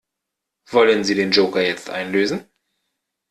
Wollen Sie den Joker jetzt einlösen?